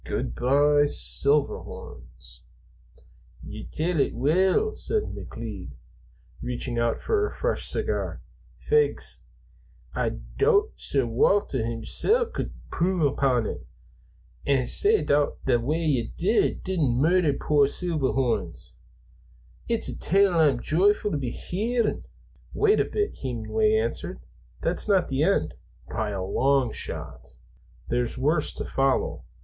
Good by, Silverhorns!" "Ye tell it weel," said McLeod, reaching out for a fresh cigar. "Fegs! Ah doot Sir Walter himsel' couldna impruve upon it. An, sae thot's the way ye didna murder puir Seelverhorrns? It's a tale I'm joyfu' to be hearin'." "Wait a bit," Hemenway answered. "That's not the end, by a long shot. There's worse to follow.